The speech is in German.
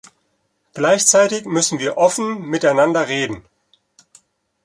Gleichzeitig müssen wir offen miteinander reden.